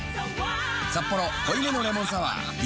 「サッポロ濃いめのレモンサワー」リニューアル